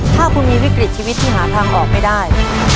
ถ้าคุณมีวิกฤตชีวิตที่หาทางออกไม่ได้